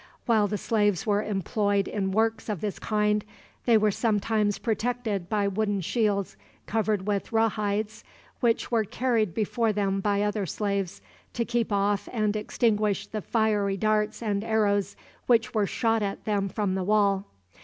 While the slaves were employed in works of this kind, they were sometimes protected by wooden shields covered with raw hides, which were carried before them by other slaves, to keep off and extinguish the fiery darts and arrows which were shot at them from the wall.